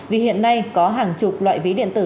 vì hiện nay có hàng chục loại ví điện tử